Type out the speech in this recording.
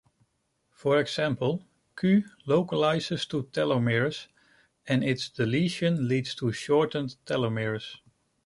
For example, Ku localizes to telomeres and its deletion leads to shortened telomeres.